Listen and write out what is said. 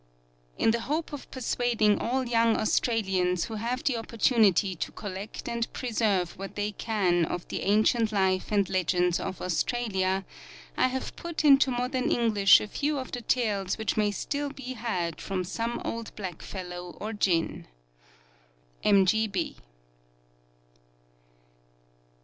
In the hope of persuading all young Australians who have the opportunity to collect and preserve what they can of the ancient life and legends of Australia, I have put into modern English a few of the tales which may still be had from some old blackfellow or gin. M.